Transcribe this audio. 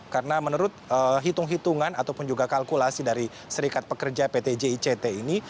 karena menurut hitung hitungan ataupun juga kalkulasi dari serikat pekerja pt jict ini